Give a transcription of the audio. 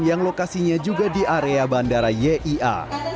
yang lokasinya juga di area bandara yia